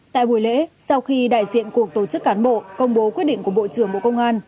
tại buổi lễ sau khi đại diện cuộc tổ chức cán bộ công bố quyết định của bộ trưởng bộ công an